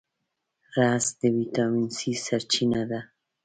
رس د ویټامین C سرچینه ده